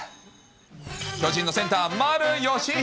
巨人のセンター、丸佳浩。